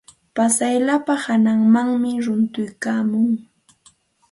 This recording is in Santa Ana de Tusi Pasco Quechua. Slapa hananmanmi runtuykaamun.